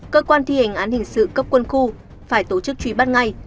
cơ quan thi hành án hình sự cấp quân khu phải tổ chức truy bắt ngay